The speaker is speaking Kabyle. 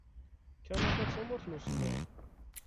Kanada d tamurt n usemmiḍ.